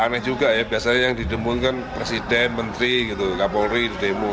aneh juga ya biasanya yang didemungkan presiden menteri kapolri didemo